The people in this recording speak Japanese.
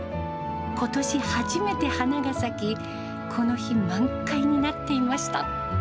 ことし初めて花が咲き、この日、満開になっていました。